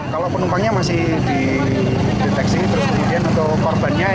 kalau penumpangnya masih dideteksi terus kemudian untuk korbannya